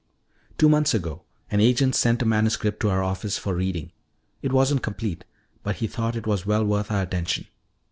Two months ago an agent sent a manuscript to our office for reading. It wasn't complete, but he thought it was well worth our attention.